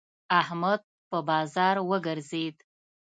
احمد په بازار وګرځېد.